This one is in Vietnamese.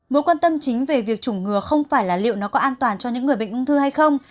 mối quan tâm chính về việc chủng ngừa không phải là liệu nó có an toàn cho những người bệnh ung thư hay không